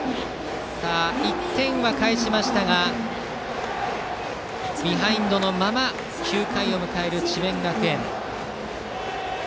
１点は返しましたがビハインドのまま９回を迎える智弁学園。